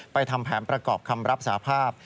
ทำแผนประกอบคำรับสาภาพ